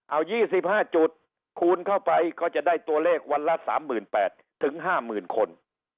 เอายี่สิบห้าจุดคูณเข้าไปก็จะได้ตัวเลขวันละสามหมื่นแปดถึงห้ามืนคน